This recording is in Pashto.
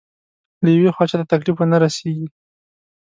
له يوې خوا چاته تکليف ونه رسېږي.